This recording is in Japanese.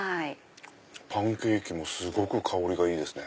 パンケーキもすごく香りがいいですね。